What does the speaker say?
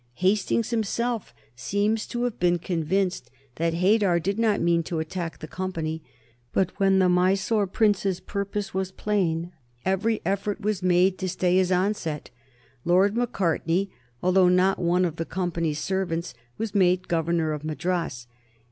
Hastings himself seems to have been convinced that Haidar did not mean to attack the Company, but when the Mysore prince's purpose was plain every effort was made to stay his onset. Lord Macartney, although not one of the Company's servants, was made Governor of Madras.